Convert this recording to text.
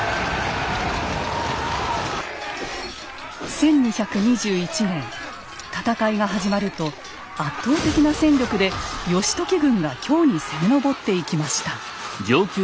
１２２１年戦いが始まると圧倒的な戦力で義時軍が京に攻め上っていきました。